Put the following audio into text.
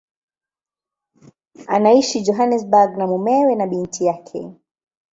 Anaishi Johannesburg na mumewe na binti yake.